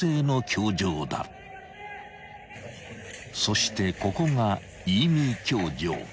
［そしてここが飯見教場］